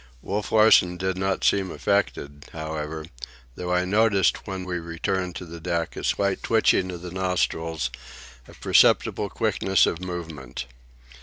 Wolf Larsen did not seem affected, however; though I noticed, when we returned to the deck, a slight twitching of the nostrils, a perceptible quickness of movement.